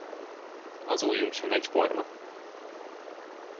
Az ujjunk sem egyforma.